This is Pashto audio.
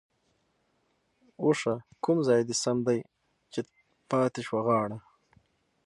ـ اوښه کوم ځاى د سم دى ،چې پاتې شوه غاړه؟؟